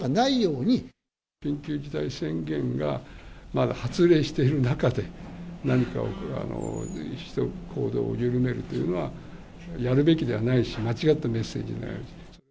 緊急事態宣言がまだ発令している中で、何か行動を緩めるというのは、やるべきではないし、間違ったメッセージになる。